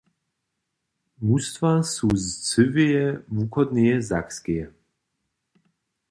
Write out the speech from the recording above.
Mustwa su z cyłeje wuchodneje Sakskeje.